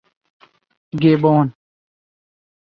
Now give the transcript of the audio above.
گیبون